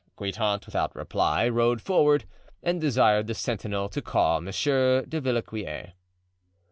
Guitant, without reply, rode forward and desired the sentinel to call Monsieur de Villequier.